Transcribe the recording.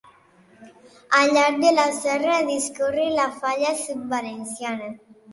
Al llarg de la serra discorre la falla sud-valenciana.